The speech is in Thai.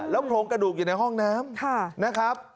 และโครงกระดูกอยู่ในห้องน้ำ